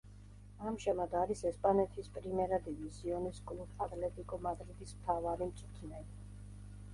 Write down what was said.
ამჟამად არის ესპანეთის პრიმერა დივიზიონის კლუბ „ატლეტიკო მადრიდის“ მთავარი მწვრთნელი.